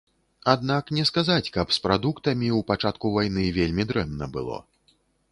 Аднак не сказаць, каб з прадуктамі ў пачатку вайны вельмі дрэнна было.